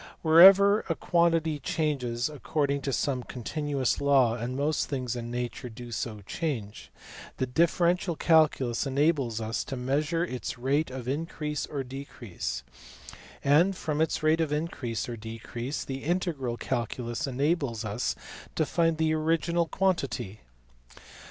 Wherever a quantity changes according to some continuous law (and most things in nature do so change) the differential calculus enables us to measure its rate of increase or decrease; and, from its rate of increase or decrease, the integral calculus enables us to find the original quantity.